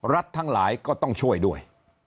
ทั้งหลายก็ต้องช่วยด้วย